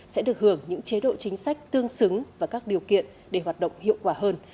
sẽ được hưởng những chế độ chính sách tương xứng và các điều kiện để hoạt động hiệu quả hơn